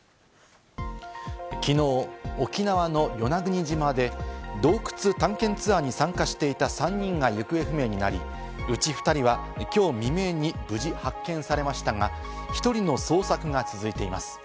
きのう、沖縄の与那国島で洞窟探検ツアーに参加していた３人が行方不明になり、うち２人はきょう未明に無事発見されましたが、１人の捜索が続いています。